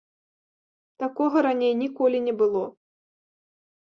Такога раней ніколі не было.